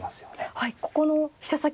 はい。